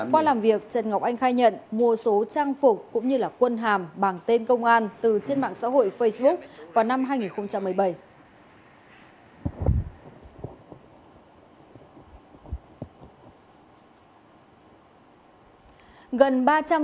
qua làm việc trần ngọc anh khai nhận mua số trang phục cũng như quân hàm bằng tên công an từ trên mạng xã hội facebook vào năm hai nghìn một mươi bảy